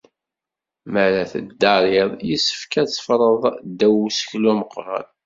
Mi ara teddariḍ, yessefk ad teffreḍ ddaw useklu ameqran.